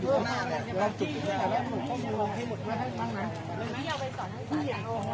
อยู่ข้างหน้าแหละเดี๋ยวเราจุดจุดให้แหละหมุนข้อมูลให้หมุนมาให้บ้างนะ